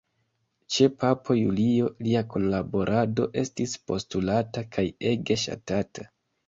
Ĉe papo Julio lia kunlaborado estis postulata kaj ege ŝatata.